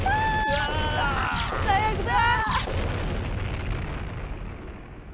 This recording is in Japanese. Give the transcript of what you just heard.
最悪だ！